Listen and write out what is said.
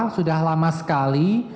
sudah lama sekali